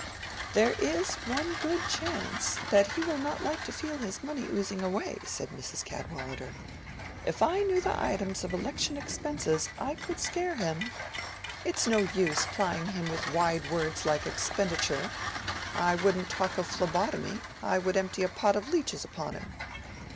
"There is one good chance—that he will not like to feel his money oozing away," said Mrs. Cadwallader. "If I knew the items of election expenses I could scare him. It's no use plying him with wide words like Expenditure: I wouldn't talk of phlebotomy, I would empty a pot of leeches upon him.